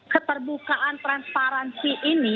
keterbukaan transparansi ini